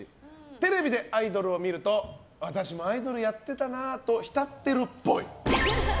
テレビでアイドルを見ると私もアイドルやってたなあと浸ってるっぽい。